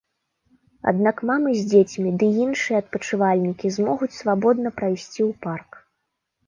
Аднак мамы з дзецьмі ды іншыя адпачывальнікі змогуць свабодна прайсці ў парк.